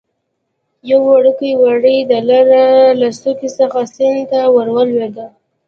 یو وړکی وری د لره له څوکې څخه سیند ته ور ولوېده.